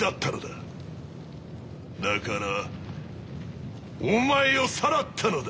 だからお前をさらったのだ！